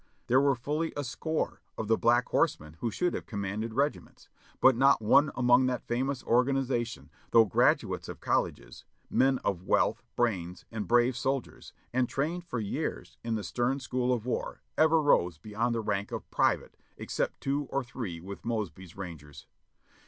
There were fully a score of the Black Horsemen who should have commanded regiments, but not one among that famous organization, though graduates of colleges, men of wealth, brains and brave soldiers, and trained for years in the stern school of war, ever rose beyond the rank of private except two or three with Mosby's Rangers.